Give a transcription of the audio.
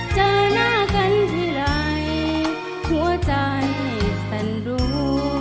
เจอกันที่ไหลหัวใจสันรัว